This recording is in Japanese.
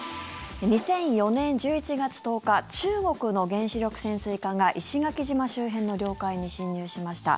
２００４年１１月１０日中国の原子力潜水艦が石垣島周辺の領海に侵入しました。